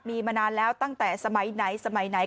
มีมานานแล้วตั้งแต่สมัยไหนสมัยไหน